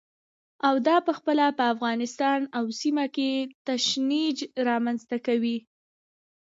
او دا پخپله په افغانستان او سیمه کې تشنج رامنځته کوي.